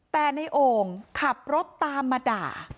แต่ในโอ่งขับรถตามมาด่า